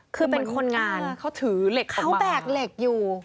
คือเป็นคนงานเขาแบกเหล็กอยู่